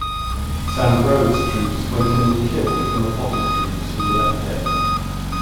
Sam Grove's troops went in and killed Emma Potter's troops who were left dead.